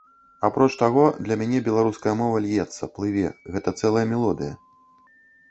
Апроч таго, для мяне беларуская мова льецца, плыве, гэта цэлая мелодыя.